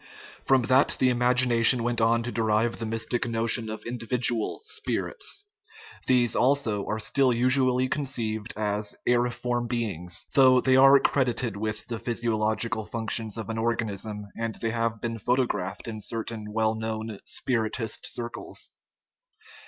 From that the imagination went on to derive the mystic notion of individual " spirits"; these, also, are still usually conceived as "aeriform beings " though they are credited with the physio logical functions of an organism, and they have been photographed in certain well known spiritist circles.